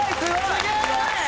すげえ！